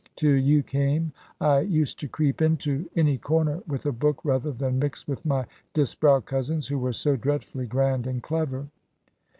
Till you came I used to creep into any corner with a book, rather than mix with my Disbrowe cousins, who were so dreadfully grand and clever."